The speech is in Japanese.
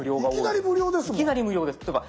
いきなり無料ですもん。